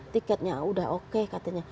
tiketnya udah oke katanya